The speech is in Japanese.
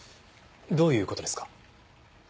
どういう事ですか？